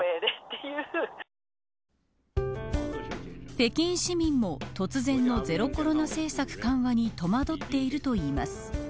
北京市民も突然のゼロコロナ政策緩和に戸惑っているといいます。